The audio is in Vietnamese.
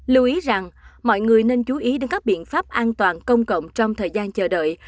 lưu ý rằng mọi người nên chú ý đến các biện pháp an toàn công cộng trong thời gian chờ đợi